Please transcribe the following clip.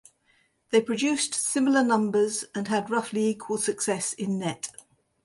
They produced similar numbers and had roughly equal success in net.